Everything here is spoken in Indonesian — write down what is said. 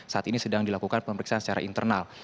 saat ini sedang dilakukan pemeriksaan secara internal